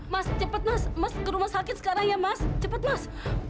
mas cepet mas mas ke rumah sakit sekarang ya mas cepat mas